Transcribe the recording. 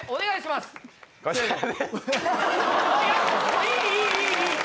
いいいいいい！